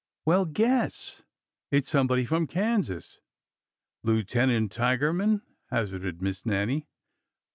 '' Well, guess! It 's somebody from Kansas." Lieutenant Tigerman," hazarded Miss Nannie.